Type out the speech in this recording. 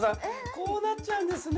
こうなっちゃうんですね。